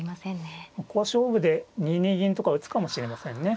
ここは勝負で２二銀とか打つかもしれませんね。